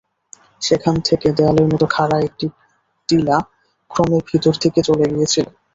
সেখান থেকে দেয়ালের মত খাড়া একটি টিলা ক্রমে ভিতর দিকে চলে গিয়েছিল।